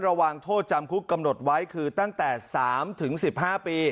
ระวังโทษจำคุกกำหนดไว้คือตั้งแต่สามถึงสิบห้าปี